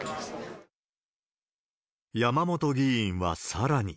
山本議員はさらに。